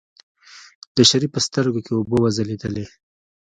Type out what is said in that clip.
د شريف په سترګو کې اوبه وځلېدلې.